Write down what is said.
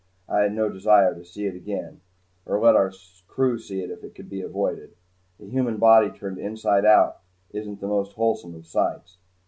I had no desire to see it again or let our crew see it if it could be avoided. A human body turned inside out isn't the most wholesome of sights.